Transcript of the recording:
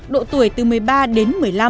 độ tuổi từ một mươi ba đến một mươi năm